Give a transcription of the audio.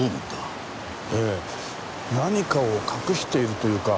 ええ何かを隠しているというか。